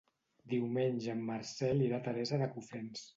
Diumenge en Marcel irà a Teresa de Cofrents.